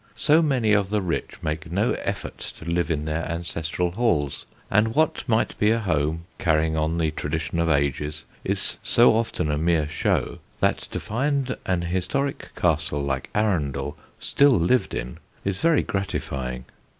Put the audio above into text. So many of the rich make no effort to live in their ancestral halls; and what might be a home, carrying on the tradition of ages, is so often only a mere show, that to find an historic castle like Arundel still lived in is very gratifying.